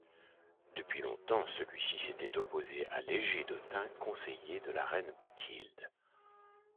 Depuis longtemps, celui-ci s'était opposé à Léger d'Autun, conseiller de la reine Bathilde.